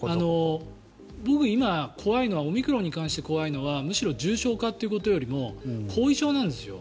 僕、今、怖いのはオミクロンに関して怖いのはむしろ重症化ということよりも後遺症なんですよ。